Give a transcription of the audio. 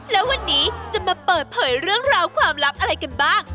แล้ววันนี้จะมาเปิดเผยเรื่องราวความลับอะไรกันบ้าง